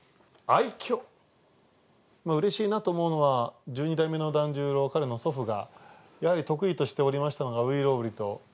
うれしいなと思うのは十二代目の團十郎彼の祖父がやはり得意としておりましたのが「外郎売」と「毛抜」。